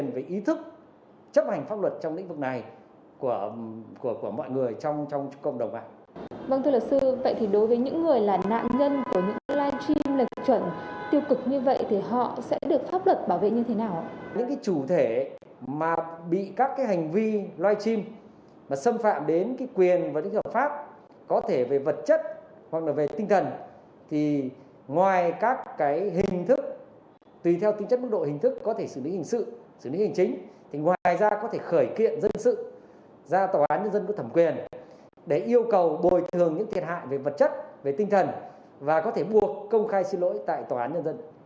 những cái chủ thể mà bị các cái hành vi loay chim mà xâm phạm đến cái quyền và những kiểu pháp có thể về vật chất hoặc là về tinh thần thì ngoài các cái hình thức tùy theo tính chất mức độ hình thức có thể xử lý hình sự xử lý hình chính thì ngoài ra có thể khởi kiện dân sự ra tòa án nhân dân có thẩm quyền để yêu cầu bồi thường những thiệt hại về vật chất về tinh thần và có thể buộc công khai xin lỗi tại tòa án nhân dân